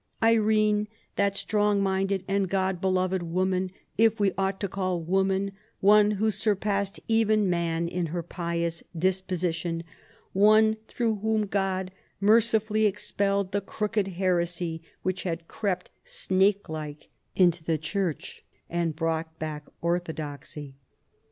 " Irene, that strong minded and God beloved woman, if we ought to call 'woman' one wlio surpassed even man in her pious disposi tion, one through whom God mercifully expelled the crooked heresy which had crept snakelike into the Church and brought back orthodoxy."